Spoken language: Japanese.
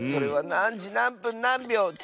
「なんじなんぷんなんびょう？」